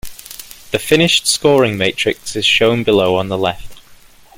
The finished scoring matrix is shown below on the left.